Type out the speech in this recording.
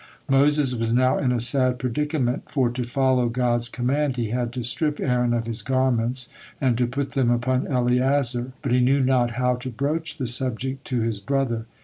Moses was now in a sad predicament, for, to follow God's command, he had to strip Aaron of his garments and to put them upon Eleazar, but he knew not how to broach the subject to his brother.